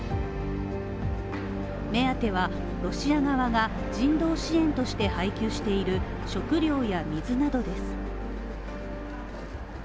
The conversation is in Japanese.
目当てはロシア側が人道支援として配給している食糧や水などです。